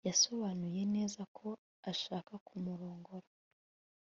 Yasobanuye neza ko ashaka kumurongora